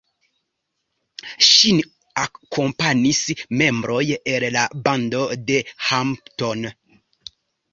Ŝin akompanis membroj el la bando de Hampton.